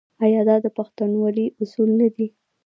آیا دا د پښتونولۍ اصول نه دي؟